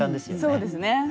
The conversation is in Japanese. そうですね。